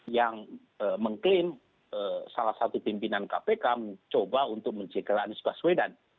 yang mengklaim salah satu pimpinan kpk mencoba untuk menjegal anies baswedan